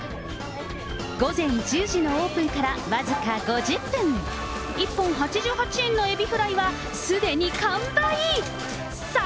午前１０時のオープンから僅か５０分、１本８８円のエビフライはすでに完売。